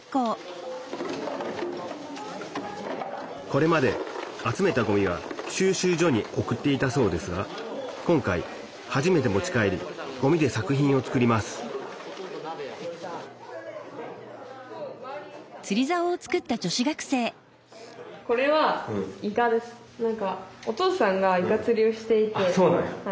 これまで集めたごみは収集所に送っていたそうですが今回初めて持ち帰りごみで作品を作りますあっそうなんや。